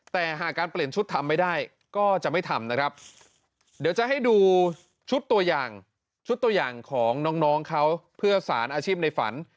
แต่หากการเปลี่ยนชุดทำไม่ได้ก็จะไม่ทำนะครับเดี๋ยวจะให้ดูชุดตัวอย่างชุดตัวอย่างของน้องเขาเพื่อสารอาชีพในฝัน